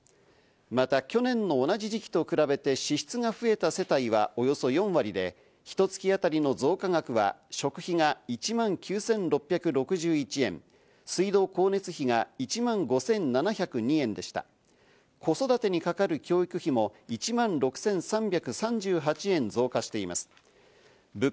また去年の同じ時期と比べて支出が増えた世帯は、およそ４割で、ひと月当たりの増加額は食費が１万９６６１円、水道・光熱費が子育てにかかる教育費も１万６３３８円増加しています。